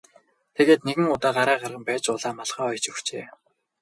Тэгээд нэгэн удаа гараа гарган байж улаан малгай оёж өгчээ.